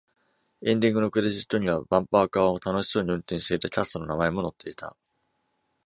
エンディングのクレジットには、バンパーカーを楽しそうに運転していたキャストの名前も載っていた。